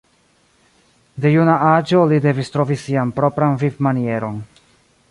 De juna aĝo li devis trovi sian propran vivmanieron.